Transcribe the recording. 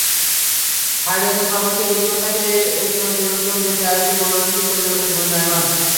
Hydrogen পরমাণুতে বিদ্যমান থাকে একটিমাত্র ইলেকট্রোন, যেটি আরেকটি প্রোটনকে কেন্দ্র করে ঘুর্ণায়মাণ।